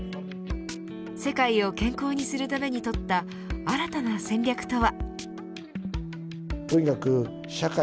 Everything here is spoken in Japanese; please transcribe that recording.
世界を健康にするために取った新たな戦略とは。